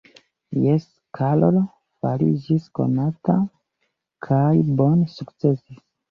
Jes, Karlo fariĝis konata kaj bone sukcesis.